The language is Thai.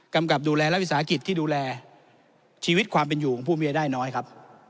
กับดูแลและวิสาหกิจที่ดูแลชีวิตความเป็นอยู่ของผู้มีรายได้น้อยครับ